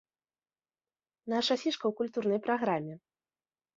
Наша фішка ў культурнай праграме.